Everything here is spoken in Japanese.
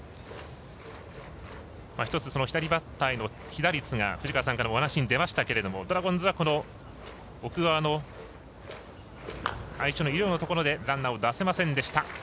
１つ、左バッターへの被打率が藤川さんからもお話、出ましたがドラゴンズは、奥川の相性のいい井領のところでランナーを出せませんでした。